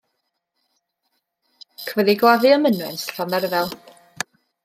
Cafodd ei gladdu ym mynwent Llandderfel.